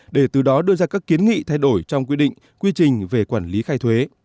để từ đó đưa ra các kiến nghị thay đổi trong quy định quy trình về quản lý khai thuế